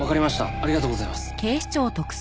ありがとうございます。